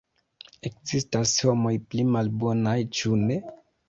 Ekzistas homoj pli malbonaj, ĉu ne?